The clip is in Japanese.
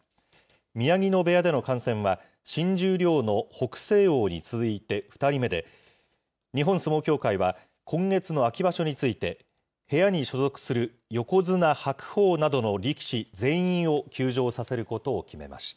宮城野部屋での感染は新十両の北青鵬に続いて２人目で、日本相撲協会は、今月の秋場所について、部屋に所属する横綱・白鵬などの力士全員を休場させることを決めました。